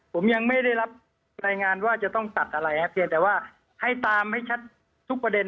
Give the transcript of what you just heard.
ผมยังไม่ได้รับรายงานว่าจะต้องตัดอะไรครับเพียงแต่ว่าให้ตามให้ชัดทุกประเด็น